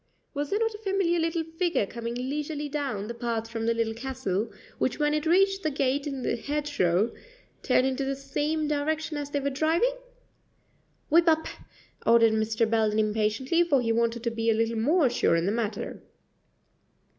was there not a familiar little figure coming leisurely down the path from the Little Castle, which when it reached the gate in the hedgerow turned in the same direction as they were driving? "Whip up," ordered Mr. Belden impatiently, for he wanted to be a little more sure in the matter.